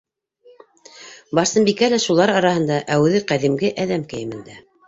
Барсынбикә лә шулар араһында, ә үҙе ҡәҙимге әҙәм кейемендә.